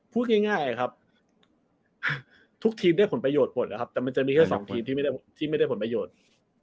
อ๋อพูดง่ายครับทุกทีมได้ผลประโยชน์หมดแล้วครับแต่มันจะมีแค่สองทีมที่ไม่ได้ที่ไม่ได้ผลประโยชน์